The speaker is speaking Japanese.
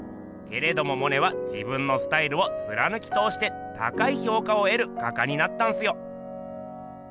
けれどもモネは自分のスタイルをつらぬきとおして高い評価をえる画家になったんすよ。